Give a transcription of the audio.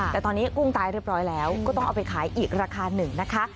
แต่ตอนนี้กุ้งตายเรียบร้อยแล้วก็ต้องเอาไปขายอีกราคาหนึ่งนะคะ